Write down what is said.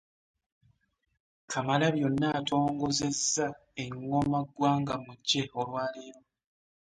Kamalabyonna atongozza engoma ggwangamujje olwa leero.